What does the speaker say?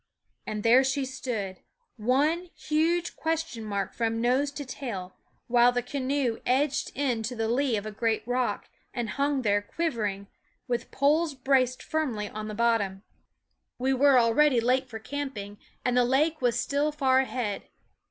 And there she stood, one huge question mark from nose to tail, while the canoe edged in to the lee of a great rock, and hung there quivering, with poles braced firmly on the bottom. We were already late for camping, and the lake was still far ahead.